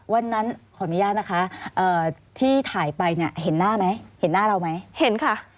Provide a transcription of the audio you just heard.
วันนั้นขออนุญาตนะคะที่ถ่ายไปเห็นหน้าเราไหมเห็นค่ะ